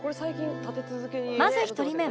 まず１人目は